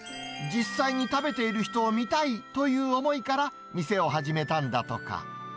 実際に食べている人を見たいという思いから店を始めたんだとか。